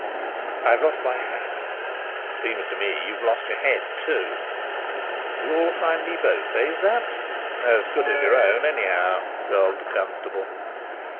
"I've lost my hat." "Seems to me you've lost your head too." "You'll find me both, eh, Sapt?" "As good as your own, anyhow," growled the constable.